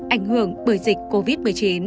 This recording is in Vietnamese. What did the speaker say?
ảnh hưởng bởi dịch covid một mươi chín